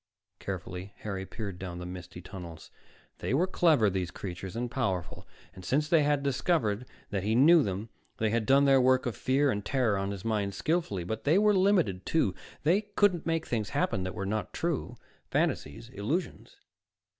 _ Carefully, Harry peered down the misty tunnels. They were clever, these creatures, and powerful. Since they had discovered that he knew them, they had done their work of fear and terror on his mind skillfully. But they were limited, too; they couldn't make things happen that were not true fantasies, illusions....